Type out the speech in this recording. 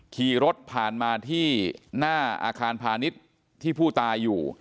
ขี่รถผ่านมาที่หน้าอาคารพาณิชย์ที่ผู้ตายอยู่